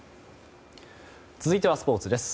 続いてはスポーツです。